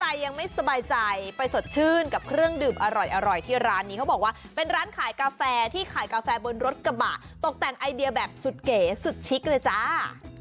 ใครยังไม่สบายใจไปสดชื่นกับเครื่องดื่มอร่อยที่ร้านนี้เขาบอกว่าเป็นร้านขายกาแฟที่ขายกาแฟบนรถกระบะตกแต่งไอเดียแบบสุดเก๋สุดชิคเลยจ้า